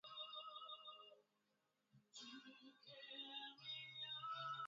Ba soda banafunga njia beko naomba makuta